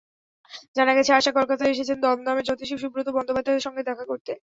জানা গেছে, আশা কলকাতায় এসেছেন দমদমের জ্যোতিষী সুব্রত বন্দ্যোপাধ্যায়ের সঙ্গে দেখা করতে।